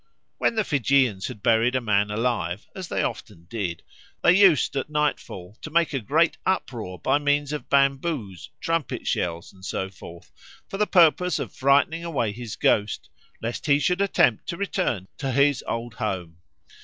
When the Fijians had buried a man alive, as they often did, they used at nightfall to make a great uproar by means of bamboos, trumpet shells, and so forth, for the purpose of frightening away his ghost, lest he should attempt to return to his old home.